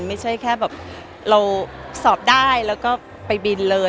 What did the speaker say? ไม่ใช่แค่แบบเราสอบได้แล้วก็ไปบินเลย